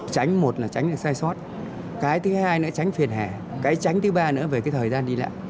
tránh một là tránh được sai sót cái thứ hai nữa tránh phiền hà cái tránh thứ ba nữa về cái thời gian đi lại